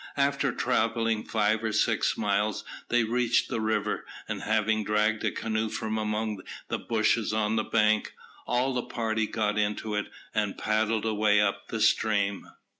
After travelling five or six miles, they reached the river, and having dragged a canoe from among the bushes on the banks, all the party got into it, and paddled away up the stream.